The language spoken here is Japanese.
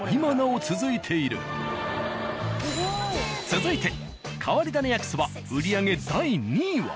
続いて変わり種焼きそば売り上げ第２位は。